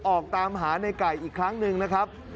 ออกตามหาในไก่อีกครั้งหนึ่งนะครับ